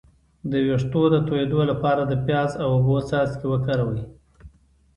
د ویښتو د تویدو لپاره د پیاز او اوبو څاڅکي وکاروئ